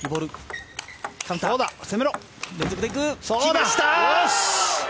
きました！